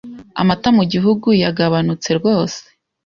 amata mu gihugu yagabanutse rwose